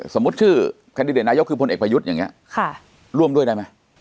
สมมุติชื่อแคนดิเดตนายกคือพลเอกประยุทธ์อย่างนี้ร่วมด้วยได้ไหม